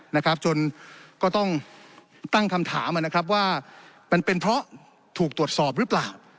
นะครับจนก็ต้องตั้งคำถามนะครับว่ามันเป็นเพราะถูกตรวจสอบหรือเปล่า